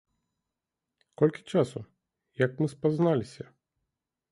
Колькі часу, як мы спазналіся?